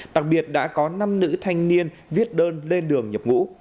đặc biệt đã có năm nữ thanh niên viết đơn lên đường nhập ngũ